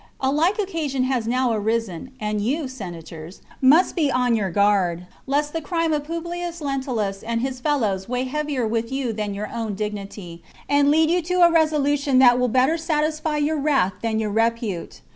A like occasion has now arisen, and you, Senators, must be on your guard lest the crime of Publius Lent ulus and his fellows weigh heavier with you than your own dignity, and lead you to a resolution that will better satisfy your wrath than your repute.